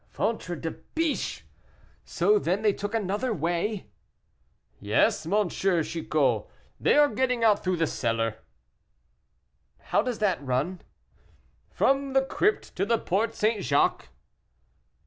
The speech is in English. '" "Ventre de biche! so then they took another way?" "Yes, dear M. Chicot, they are getting out through the cellar." "How does that run?" "From the crypt to the Porte St. Jacques."